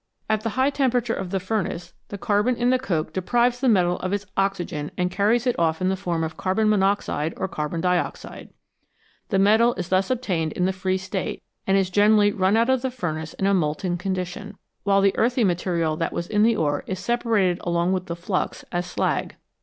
At the high temperature of the furnace the carbon in the coke deprives the metal of its oxygen and carries it off in the form of carbon monoxide or carbon dioxide. The metal is thus obtained in the free state, and is generally run out of the furnace in a molten condition, while the earthy material that was in the ore is separated along with the flux as slag.